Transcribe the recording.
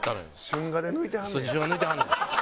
春画で抜いてはんねん。